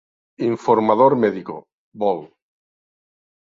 Informador medico, Vol.